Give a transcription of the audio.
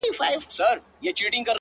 زه هم له خدايه څخه غواړمه تا-